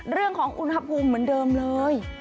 เรื่องของอุณหภูมิเหมือนเดิมเลย